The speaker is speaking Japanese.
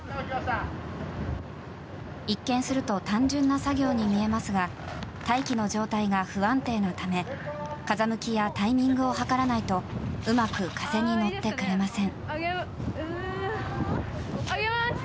一見すると単純な作業に見えますが大気の状態が不安定なため風向きやタイミングを計らないとうまく風に乗ってくれません。